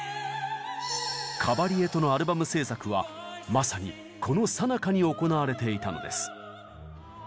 カバリエとのアルバム制作はまさにこのさなかに行われていたのです。